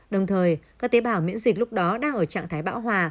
đồng thời các tế bào miễn dịch lúc đó đang ở trạng thái bão hòa